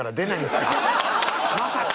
まさか。